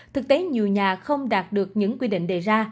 thực tế nhiều nhà không đạt được những quy định đề ra